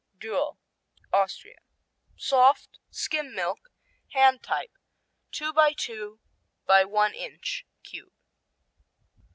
Duel Austria Soft; skim milk; hand type; two by two by one inch cube.